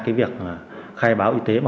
cái việc khai báo y tế